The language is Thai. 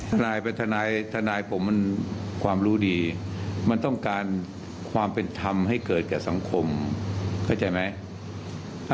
ทนายเป็นทนายทนายผมมันความรู้ดีมันต้องการความเป็นธรรมให้เกิดกับสังคมเข้าใจไหม